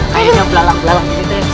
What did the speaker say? kayaknya belalang belalang ini teh